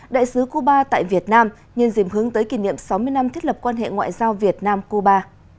đại sứ cuba tại việt nam nhìn dìm hướng tới kỷ niệm sáu mươi năm thiết lập quan hệ ngoại giao việt nam cuba